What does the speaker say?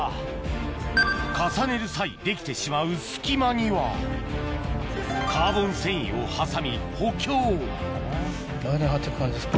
重ねる際できてしまう隙間にはカーボン繊維を挟み補強間に貼ってく感じですか。